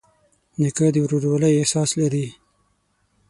نیکه د ورورولۍ احساس لري.